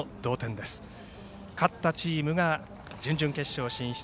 勝ったチームが準々決勝進出